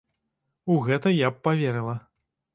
У гэта я б паверыла.